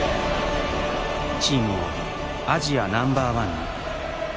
「チームをアジアナンバーワンに！」。